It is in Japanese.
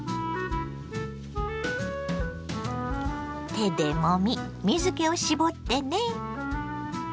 手でもみ水けを絞ってね。